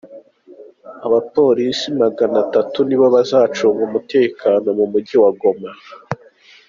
Abapolisi Magana atatu ni bo bazacunga umutekano mu Mujyi wa Goma